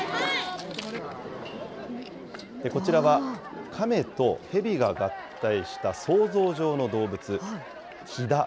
こちらは、亀と蛇が合体した想像上の動物、亀蛇。